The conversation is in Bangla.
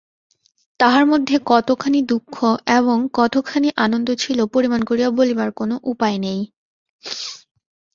তাহার মধ্যে কতখানি দুঃখ এবং কতখানি আনন্দ ছিল পরিমাণ করিয়া বলিবার কোনো উপায় নাই।